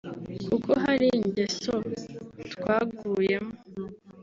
“Kuko hari ingeso twaguyemo